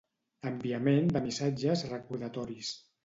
enviament de missatges recordatoris